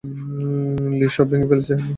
লি সব ভেঙে ফেলেছে!